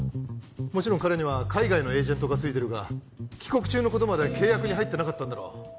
もちろん彼には海外のエージェントがついてるが帰国中のことまでは契約に入ってなかったんだろう